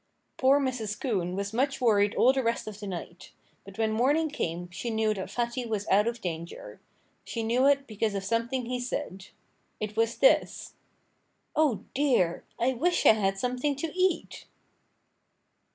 Poor Mrs. Coon was much worried all the rest of the night. But when morning came she knew that Fatty was out of danger. She knew it because of something he said. It was this: "Oh, dear! I wish I had something to eat!"